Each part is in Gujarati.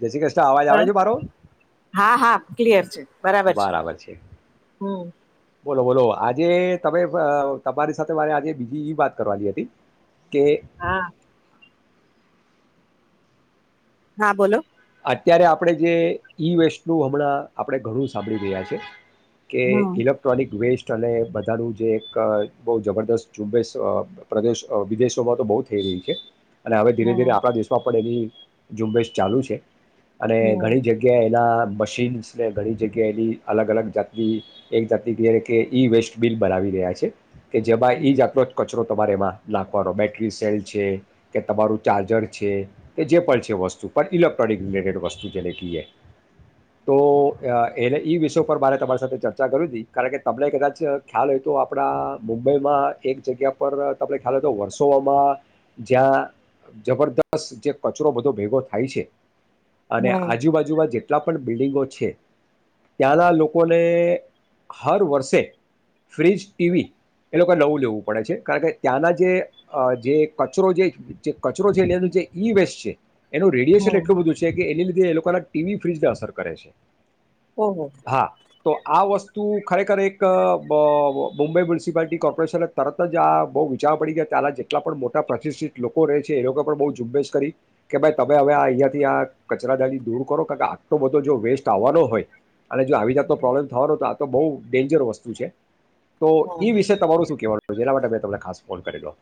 જય શ્રી કૃષ્ણ અવાજ આવે હમ્મ, છે મારો હા, હા ક્લિયર છે, બરાબર છે, હમ્મ. બોલો બોલો આજે તમે અ તમારી સાથે મારે આજે બીજી વાત કરવાની હતી. કે હા હા બોલો. અત્યારે આપણે જે ઈ વેસ્ટ નું હમણાં આપણે ઘણું સાંભળી રહ્યા છે કે હમ ઇલેક્ટ્રોનિક વેસ્ટ અને બધાનું જે એક બહુ જબરદસ્ત ઝુંબેશ અ પ્રદેશ વિદેશોમાં તો બહુ થઈ રહી છે. અને હવે ધીરે ધીરે હમ આપણા દેશમાં પણ એની ઝુંબેશ ચાલુ છે. અને હમ ઘણી જગ્યાએ એના મશીન્સને ઘણી જગ્યાએ એની અલગ અલગ જાતની એક જાતની કે કે ઇ વેસ્ટબીન બનાવી રહ્યા છે. કે જે બાાઈ ઈ જ આપલોટ કર. જો તમારે એમાં નાખવાનો બેટરી સેલ છે કે તમારું ચાર્જર છે કે જે પણ છે વસ્તુ પણ ઇલેક પણ રિલેટેડ વસ્તુ જેને કીએ તો અ એને ઈ વિષય પર મારે તમારી સાથે ચર્ચા કરવી તી કારણ કે તમને કદાચ ખ્યાલ હોય તો આપણા મુંબઈમાં એક જગ્યા પર તમને ખ્યાલ હોય તો વર્ષોવામાં જ્યાં જબરદસ્ત જે કચરો બધો ભેગો થાય છે અને હમ આજુબાજુમાં જેટલા પણ બિલ્ડિંગો છે ત્યાંના લોકોને હર વર્ષે ફ્રીજ, ટી વી એ લોકોએ નવું લેવું પડે છે કાણ કે ત્યાંના જે અ જે કચરો જે જે કચરો જે [unintelligible] છે ઈ વેસ્ટ છે. એનું રેડિએશન એ હમ ધુ છે કે એને લીધે એ લોકોના ટી વી ફ્રીજને અસર કરે છે. ઓહો. હા તો આ વસ્તુ ખરેખર એક અહ મુંબઈ મ્યુનિસિપાલિટી કોર્પોરેશને તરત જ આ બહુ વિચારમાંપડી ગયા, કે આના જેટલા પણ મોટા પ્રતિષઠિત લોકો રહે છે એ લોકો પણ બહુ ઝુંબેશ કરી, કે ભાઈ તમે હવે અહીંયાં થી આ કચરાદારી દૂર કરો, કારણ કે આટલો બધો જો વેસ્ટ આવવાનો હોય અને જો આવી જાતનો પ્રોબ્લેમ થવાનો તો આ તો બહુ ડેન્જર વસ્તુ છે. તો હમ ઈ વિશે તમારું શું કહેવાનું? કે જેના માટે મેં તમને ખાસ ફોન કરેલો.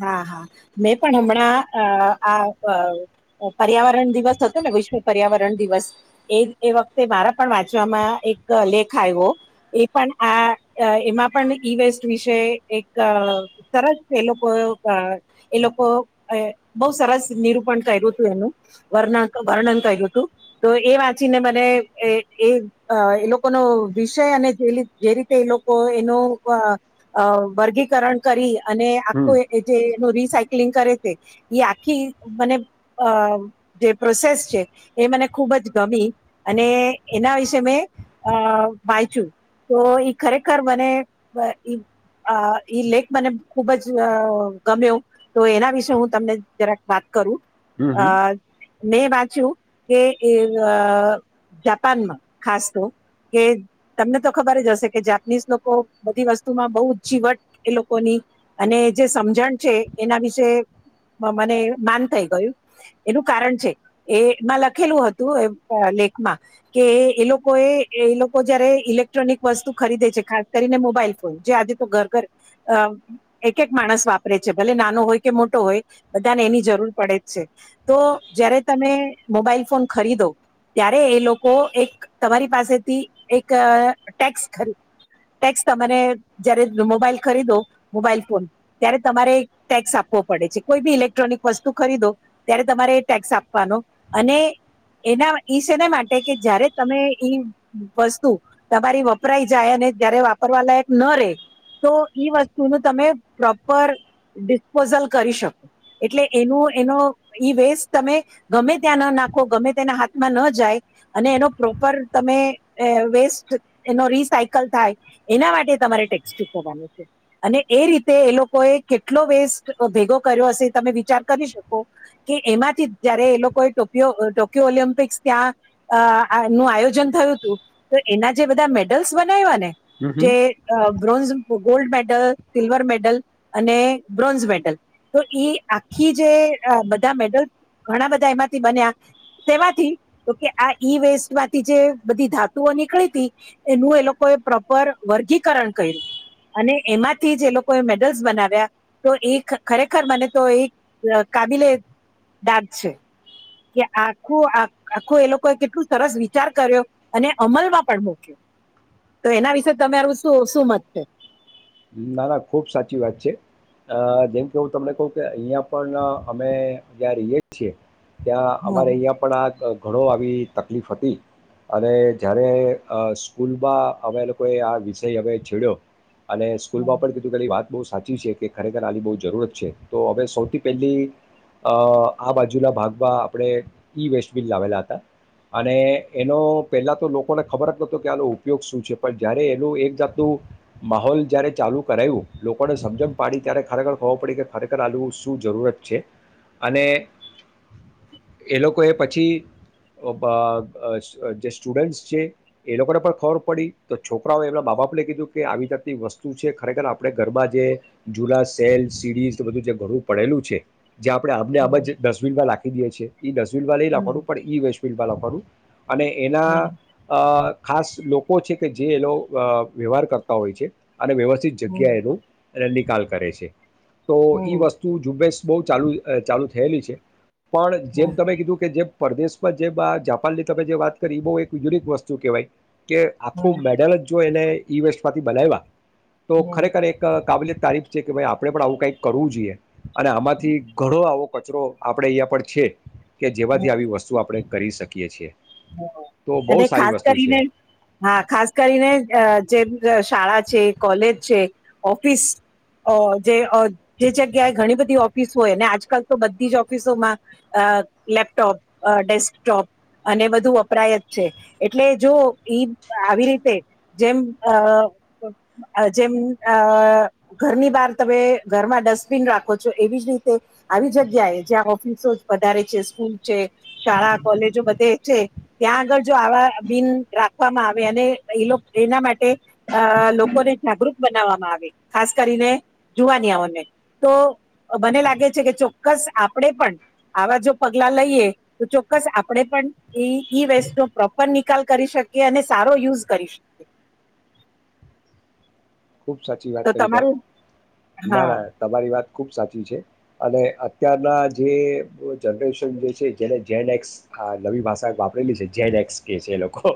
હા, હા. મેં પણ હમણાં અહ આ અહ પર્યાવરણ દિવસ હતો ને વિશ્વ પર્યાવરણ દિવસ, એ-એ વખતે મારા પણ વાંચવામાં એક લેખ આયવો, એ પન આ એમાં પણ ઈ વેસ્ટ વિશે એક સરસ એ લોક કો અહ એ લોકો બહુ સરસ નિરૂપણ કર્યું તું એનું, વર્ણાંક, વર્ણન કર્યું તું, તો એ વાંચીને મને એ-એ અહ ઈ લોકોનો વિષય અને જે રી જે રીતે એ લોકો એનું અહ વર્ગીકરણ અહ કરી અને કો હમ. એ જે એનું રિસાય કલિન કરે તે, ઈ આખી મને અહ જે પ્રોસેસ છે એ મને ખૂબ જ ગમી, અને એના વિશે મેં અહ વાંચ્યું, તો ઈ ખરેખર મને વ ઈ અહ ઈ લેખ મને ખૂબ જ અહ ગમ્યો, તો એના વિશે હું તમને જરાક વાત કરું. હમ, હમ. અહ મે વા કે જાપાનમાં ખાસ તો કે તમને તો ખબર જ હશે કે જાપાનીઝ લોકો બધી વસ્તુમાં બહુ જીવટ એ લોકોની અને જે સમજણ છે એના વિશે મને માન થઈ ગયું એનું કારણ છે એમાં લખેલું હતું એ લેખમાં કે એ લોકો એ એ લોકો જયારે ઇલેક્ટ્રોનિક વસ્તુ ખરીદે છે ખાસ કરીને મોબાઈલ ફોન જે આજે તો ઘર ઘર એક એક માણસ વાપરે છે ભલે નાનો હોય કે મોટો હોય બધાને એની જરૂર પડે જ છે તો જયારે તમે મોબાઈલ ફોન ખરીદો ત્યારે એ લોકો એક તમારી પાસેથી એક ટેક્સ ખરી ટેક્સ તમારે જયારે મોબાઈલ ખરીદો મોબાઈલ ફોન ત્યારે તમારે ટેક્સ આપવો પડે છે કોઈ બી ઇલેક્ટ્રોનિક વસ્તુ ખરીદો ત્યારે તમારે ટેક્સ આપવાનો અને એના ઈ છેને માટે કે જયારે તમે ઈ વસ્તુ તમારી વપરાઈ જાય અને જય્યારે વાપરવાલાયક ન રહે તો ઈ વસ્તુ વતુનું તમે પ્રોપર ડિસ્પોઝલ કરી શકો એટલે એનું એનો ઈ વેસ્ટ તમે ગમે ત્યાં ન નાખો ગમે તેના હાથમાં ન જાય અને એનો પ્રોપર તમે વેસ્ટ એનો રિસાયકલ થાય એના માટે તમારે ટેક્સ ચુક કરવાનું છે અને એ રીતે એ લોકોએ કેટલો વેસ્ટ ભેગો કર્યો હશે તમે વિચાર કરી શકો કે એમાંથી જયારે એ લોકોએોક ટોક્યો ઓલિમ્પિક્સ ત્યાં નું આયોજન થયું હતું તો એના જે બધા મેડલ્સ હમ, હમ. જે બ્રોન્ ગોલ્ડ મેડલ સિલ્વર મેડલ અને બ્રોન્ઝ મેડલ તો ઈ આખી જે બધા મેડલ ઘણા બધા એમાંથી બન્યા તેમાંથી તોકે આ ઈ વેસ્ટમાંથી જે બધી ધાતુઓ નીકળી હતી એનું એ લોકોએ પ્રોપર વર્ગીકરણ કર્યું અને એમાંથી જે એ લોકોએ મેડલ્સ બનાવ્યા તો એ ખરેખર મને તો એ કાબિલે દાગ છે કે આખું આખું એ લોકોએ કેટલું સરસ વિચાર કર્યો અને અમલમાં પણ મૂક્યો તો એના વિશે તરું શું શું મત છે ના ના ખુબ સાચી વાત છે અ જેમ કે હું તમને કહું કે અહિયાં પણ અમે જ્યા રહીય છીએ ત્યાં હમ, અમારે અહિયાં પણ આ ઘણો આવી તકલીફ હતી અને જ્યારે સ્કૂલમાં અમે લોકોએ આ વિષય હવે છેડ્યો અને હમ, સ્કૂલમાં પણ કીધું કલી વાત બહુ સાચી છે કે ખરેખર આની બહુ જરૂરત છે તો હવે સૌથી પહેલી અ આ બાજુના ભાગમાં આપણે ઈ વેસ્ટબિલ લાવેલા હતા અને એનો પેલા તો લોકોને ખબર જ નતો કે આનો ઉપયોગ શું છે પણ જયારે એનું એક જાતનું માહોલ જ્યારે ચાલુ કરાવું લોકોને સમજણ પાડી ત્યારે ખરેખર ખબર પડી કે ખરેખર આલું શું જરૂરત છે અને એ લોકોએ પછી જે સ્ટુડન્ટ્સ છે એ લોકોને પણ ખબર પડી તો છોકરાઓ એમના બા બાાપને કીધું કે આવી વસ્તુ છે ખરેખર આપણે ઘરમાં જે જૂના સેલ સીડી બધું જે ઘણું પડેલું છે જે આપણે આમને આમ જ ડસ્ટબિનમાં લખી દઈએ છીએ નસવીલ વાા એ હમ, લખડું પણ વૈશ્લ વા કરું અને હમ, હમ, એના ખાસ લોકો છે કે જે એલો વ્યવહાર કરતા હોય છે. અને વ્યવસ્થિત હમ, જગ્યાએ એ ન નિકાલ કરે છે. તો ઈ હમ, વસ્તુ ઝુબેશ બહુ ચાલુ ચાલુ થયેલી છે. પણ હમ, જેમ હમ, તમે કીધું કે જે પરદેશ પર જે જાપાન ની તમે જે વાત કરી એ બહુ એક યુનિક વસ્તુ કેવાય. કે આખું મેડલ જ જો એને વષ [unintelligible] થી બલાય [unintelligible] તો હમ, ખરેખર એક કાબિલયત તારીફ છે કે ભાઈ આપડણે પણ આવું કઈક કરવું જોઈએ. અને આમાંથી ઘણો આવો કચરો આપડે [unintelligible] પણ છે. કે હમ, જેવાથી હમ. આવી વસ્તુ આપણે કરી શકીએ છીએ. તો બહુ અને સારી ખાસ વસ્તુ કરીને છે હા ખાસ કરીને જે શાળા છે, કોલેજ છે, ઓફિસ જે જગ્યાએ ઘણી બધી ઓફિસ હોય ને આજકાલ તો બધી જ ઓફિસોમાં લેપટોપ ડેસ્કટોપ અને બધું વપરાય જ છે, એટલે જો ઈ આવી રીતે જેમ [unintelligible] જેમ [unintelligible] ઘરની બહાર તમે ઘરમાં ડસ્ટબિન રાખો છો, એવી જ રીતે આવી જગ્યાએ જ્યાં ઓફિસો વધારે છે, સ્કૂલ છે, શાળા કોલેજો બધે છે. ત્યાં આગળ જો આવા બિન રાખવામાં આવે અને એ લોકો એના માટે અ લોકોને જાગૃત બનાવવામાં આવે. ખાસ કરીને જુવાનિયાઓને તો મને લાગે છે, કે ચોક્કસ આપણેે પણ આવા જો પગલા લઈએ તો ચોક્કસ આપણેે પણ એ ઈ વેસ્ટ નો પ્રોપર નિકાલ કરી શકી અને સારો યુઝ કરી શકીએ. ખુબ સાચી તો વાત કરી ત તમારું હા ના ના તમારી વાત ખુબ સાચી છે, અને અત્યારના જે જનરેશન જે છે, જેને જેડ એક્સ નવી ભાષા વાપરેલી છે જેડ એક્સ કે છે, એ લોકો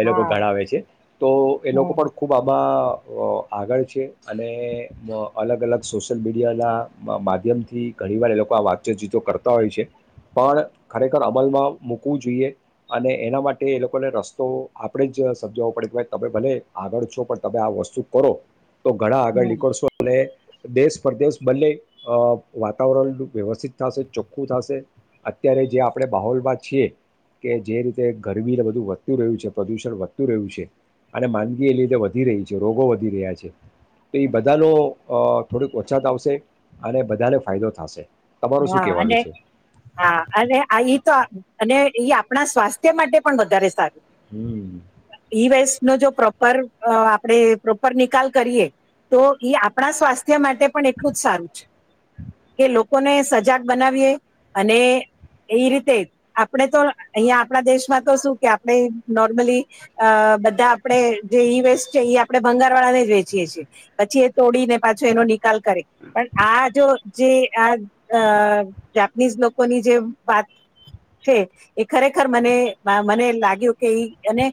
એ લોકો હા ગણાવે છે, તો એ લોકો હમ પણ ખૂબ આમાં આગળ છે, અને અલગ અલગ સોશિયલ મીડિયાના માધ્યમથી ઘણીવાર એ લોકો આ વાતચત જીતો કરતા હોય છે, પણ ખરેખર અમલમાં મૂકવું જોઈએ અને એના માટે એ લોકોને રસ્તો આપણે જ સમજાવવો પડે કે ભાઈ તમે ભલે આગળ છો પણ તમે આ વસ્તુ શૂ કરો? તો ઘણા આગળ હમ નીકળશો અને દેશ પરદેશ બદલે વાતાવરણ વ્યવસ્થિત થશે, ચોખ્ખું થશે, અત્યારે જે આપણે બાહોલમાં છીએ કે જે રીતે ગરમી બધું વધતું રહ્યું છે, પ્રદૂષણ વધતું રહ્યું છે, અને માંદગી એ રીધે વધી રહી છે. જે રોગો વધી રહ્યા છે, તો એ બધાનો [unintelligible] ઓછા આવશે અને બધાને ફાયદો થશે. તમારું શું હા કહેવાનું અને છે હા અ તો અને [unintelligible] આપણા સ્વાસ્થ્ય માટે પણ વધારે સારું. હમ. નો જો પ્રોપર આપણેે પ્રોપર નિકાલ કરીએ તો એ આપણા સ્વાસ્થ્ય માટે પણ એટલું જ સારું છે, કે લો લોકોને સજાગ બનાવીએ અને એ રીતે આપણે તો [unintelligible] આપણા દેશમાં તો શું કે આપણે નોર્મલી અ બધા આપણે જે ઈ વેસ્ટ છે, એ આપણે ભંગાર વાળાને જ વેચીયે છીએ પછી એ તોડીને પાછો એનો કરે પણ આ જો જે [unintelligible] આ જાપનીઝ લોકોની જે વાત છે, એ ખરેખર મને મને લાગ્યું કે અને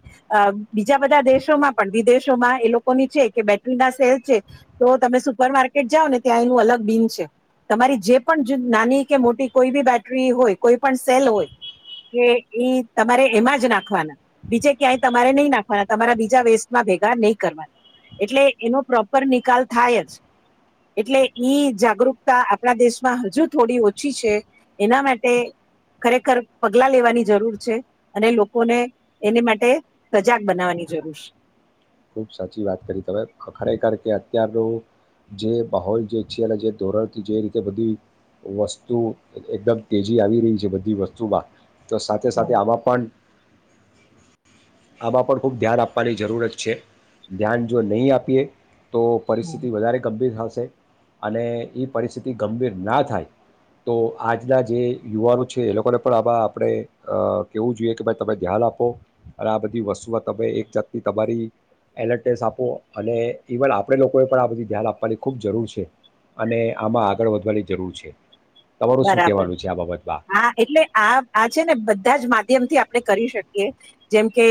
બીજા બધા દેશોમાં પણ વિદેશોમાં એ લોકોની છે, કે બેટરી ના સેલ છે, તો તમે સુપર માર્કેટ જાઓ ને ત્યાં એનું અલગ બિન છે. તમારી જે પણ નાની કે મોટી કોઈ બી બેટરી હોય કોઈ પણ સેલ હોય કે ઈ તમારે એમાં જ નાખવાના બીજે ક્યાંય તમારે નહી નાખવાના તમારા બીજા વેસ્ટમાં ભેગા નહીં કરવાના એટલે એનો પ્રોપર નિકાલ થાય જ એટલે ઈ જાગૃત [unintelligible] આપણા દેશમાં હજુ થોડી ઓછી છે, એના માટે ખરેખર પગલા લેવાની જરૂર છે, અને લોકોને એને માટે સજાગ બનાવવાની જરૂર છે. ખુબ સાચી વાત કરી તમે ખરેખર કે અત્યારનો જે માહોલ જે છે, જે ધોરણથી જે રીતે બધી વસ્તુ એકદમ તેજી આવી રહી છે, બધી વસ્તુમાં. તો સાથે સાથે આમાં પણ આમાં પણ ખૂબ ધ્યાન આપવાની જરૂરત છે, ધ્યાન જો નહી આપીએ. તો પરિસ્થિતિ વધારે ગંભીર થ અને એ પરિસ્થિતિ ગંભીર ના થાય તો આજના જે યુવાનો છે, એ લોકોને પણ આ આપણે કેવું જોઈએ કે ભાઈ તમે ધ્યાન આપો. અને આ બધી વસ્તુઓ તમે એક જાતની તમારી [unintelligible] આપો અને ઇવન આપણે લોકોએ પણ આ બધી ધ્યાન આપવાની ખૂબ જરૂર છે, અને આમાં આગળ વધવાની જરૂર છે. તમારું શું બરાબર કહેવાનું છે આ બાબતમાં હા એટલે આ આ છે, ને બધા જ મા માધ્યમથી આપણે કરી શકીએ જેમ કે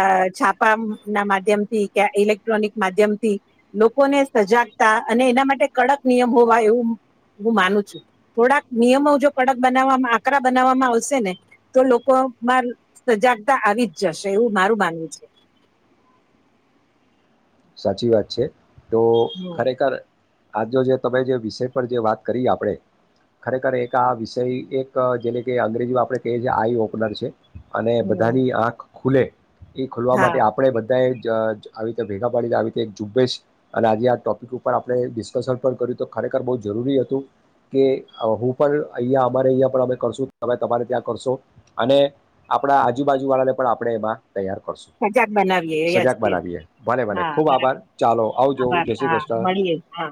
અ છાપા ના માધ્યમ થી કે ઇલેક્ટ્રોનિક માધ્યમથી લોકોને સજાગતા અને એના માટે કડક નિયમ હોવા એવું હું માનું છું. થોડાક નિયમો જો કડક બનાવવામાં આકરા બનાવવામાં આવશે ને તો લોકોમાં સજાગતા આવી જ જશે એવું મારું માનવું છે. સાચી વાત છે. તો હમ ખરેખર આજ જે તમે જે વિષય પર જે વાત કરી આપણે ખરેખર એક આ વિષય એક જેને કે અંગ્રેજી આપડણે કહીએ છીએ આઈ ઓપનર છે. અને હમ બધાની આંખ ખુલે એ ખોલવા હા માટે આપણે બધાએ [unintelligible] આવી રીતે ભેગા [unintelligible] આવી એક ઝબેશ અને આજે આ ટોપિક ઉપર આપણે ડિસ્કસન પણ કર્યું તો ખરેખર બહ જરૂરી હતું કે હું પણ અહી અમારે અહી પણ અ કરશું તમે તમારે ત્યાં કરશો અને આપણા આજુબાજુ વાળાને પણ આપણે એમાં તૈયાર કરશું સજાગ બનાવીએ યસ સજાગ યસ બનાવીએ ભલે ભલે. હા ખુબ બરાબર આભાર ચાલો આવજ આભાર જય શ્રી હા કૃષ્ણ. મળીએ હા